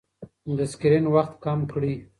د سکرین وخت کم کړئ.